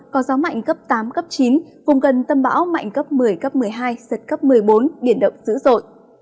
có gió mạnh cấp tám cấp chín vùng gần tâm bão mạnh cấp một mươi cấp một mươi hai giật cấp một mươi bốn biển động dữ dội